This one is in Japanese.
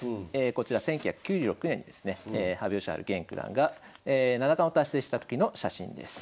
こちら１９９６年ですね羽生善治現九段が七冠を達成した時の写真です。